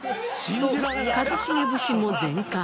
と一茂節も全開。